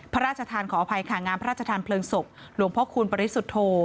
พระราชทานขออภัยค่ะงานพระราชทานเพลิงศพหลวงพ่อคูณปริสุทธโธ